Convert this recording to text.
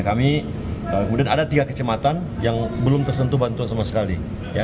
kami kemudian ada tiga kecematan yang belum tersentuh bantuan sama sekali